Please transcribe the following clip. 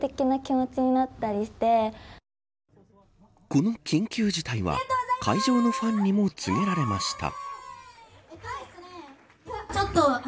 この緊急事態は会場のファンにも告げられました。